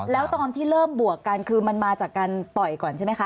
แล้วตอนที่เริ่มบวกกันคือมันมาจากการต่อยก่อนใช่ไหมคะ